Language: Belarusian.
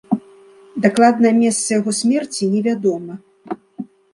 Дакладнае месца яго смерці невядома.